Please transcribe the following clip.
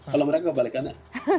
kalau mereka kebalikannya